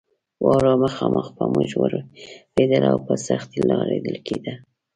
واوره مخامخ پر موږ ورېدله او په سختۍ لار لیدل کېده.